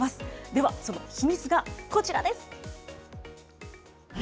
では、その秘密がこちらです。